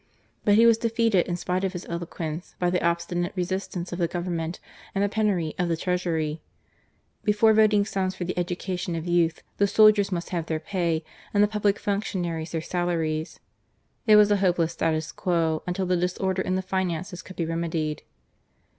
But he was defeated in spite of his eloquence, by the obstinate resistance of the Government and the penury of the Treasury, Before voting sums for the education of youth, the soldiers must have their pay and the public functionaries their salaries. It was a hopeless status quo until the disorder in the finances could be remedied.